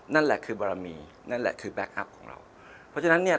นั่นแหละคือบารมีนั่นแหละคือแก๊คอัพของเราเพราะฉะนั้นเนี่ย